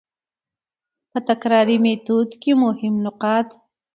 په تکراري ميتود کي مهم نقاط: